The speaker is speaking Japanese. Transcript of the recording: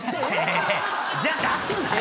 じゃあ。